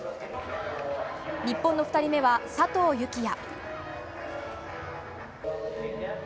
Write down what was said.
日本の２人目は佐藤幸椰。